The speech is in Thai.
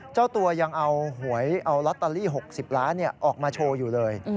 เจ้าตัวยังเอาหวยเอาลอตเตอรี่๖๐ล้านออกมาโชว์อยู่เลย